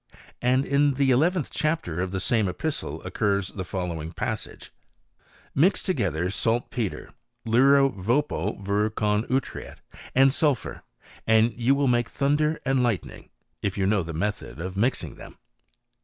And in the eleventh chapter of the same epist' occurs the following passage :*' Mix together sal petre, luru vopo vir con utriet, and sulphur, and yc will make thunder and lightning, if you know t^ method of mixing them."